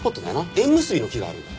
縁結びの木があるんだ。